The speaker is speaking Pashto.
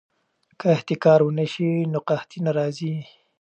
که احتکار ونه شي نو قحطي نه راځي.